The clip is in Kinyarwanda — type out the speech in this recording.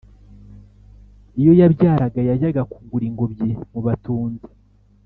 iyo yabyaraga yajyaga kugura ingobyi mu batunzi